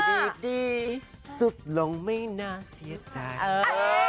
อยู่ดีสุดลงไม่น่าเสียใจ